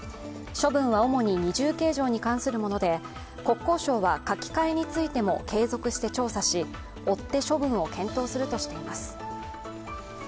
処分は主に二重計上に関するもので国交省は書き換えについても継続して調査し、追って処分を検討するとしています。